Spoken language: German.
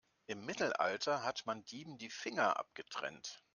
Im Mittelalter hat man Dieben die Finger abgetrennt.